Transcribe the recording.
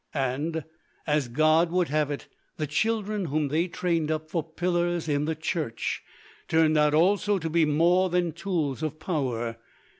And, as God would have it, the children whom they trained up for pillars in the church turned out also to be more than tools of power.